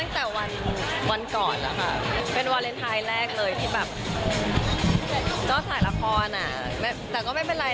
ชาติไม่บอก